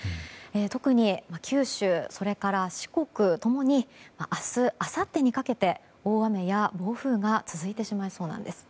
特に九州、それから四国ともに明日あさってにかけて大雨や暴風が続いてしまいそうなんです。